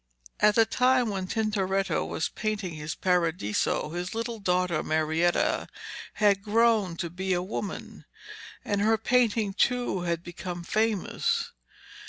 At the time when Tintoretto was painting his 'Paradiso,' his little daughter Marietta had grown to be a woman, and her painting too had become famous.